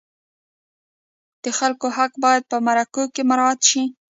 د خلکو حق باید په مرکو کې مراعت شي.